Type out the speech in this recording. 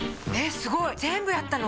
すごい全部やったの？